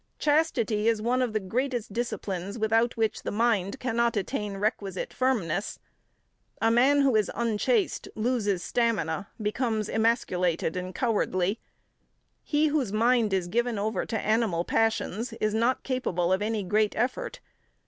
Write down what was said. Chastity is one of the greatest disciplines without which the mind cannot attain requisite firmness. A man who is unchaste loses stamina, becomes emasculated and cowardly. He whose mind is given over to animal passions is not capable of any great effort.